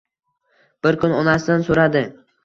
Bir kun onasidan so'radi: